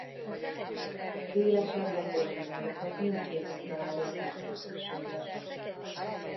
A szélesebb lapos zsinórokat mindkét oldalán rögzíteni szükséges.